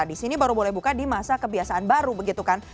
di sini baru boleh buka di masa kebiasaan baru begitu kan